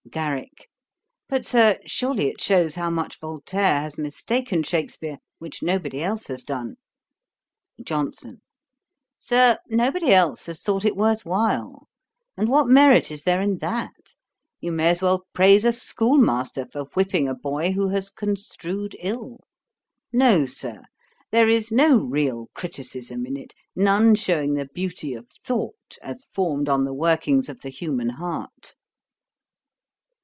GARRICK. 'But, Sir, surely it shews how much Voltaire has mistaken Shakspeare, which nobody else has done.' JOHNSON. 'Sir, nobody else has thought it worth while. And what merit is there in that? You may as well praise a schoolmaster for whipping a boy who has construed ill. No, Sir, there is no real criticism in it: none shewing the beauty of thought, as formed on the workings of the human heart.'